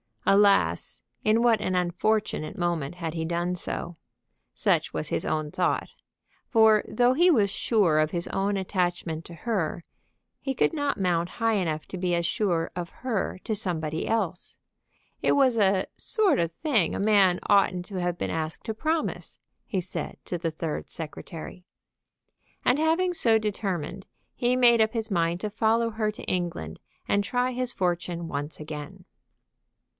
Alas, in what an unfortunate moment had he done so! Such was his own thought. For though he was sure of his own attachment to her, he could not mount high enough to be as sure of her to somebody else. It was a "sort of thing a man oughtn't to have been asked to promise," he said to the third secretary. And having so determined, he made up his mind to follow her to England and to try his fortune once again.